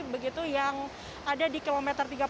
begitu yang ada di kilometer tiga puluh empat b arah jakarta